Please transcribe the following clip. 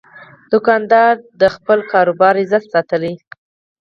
دوکاندار د خپل کاروبار عزت ساتي.